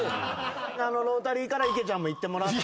あのロータリーから池ちゃんもいってもらって。